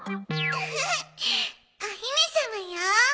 ウフフお姫様よ。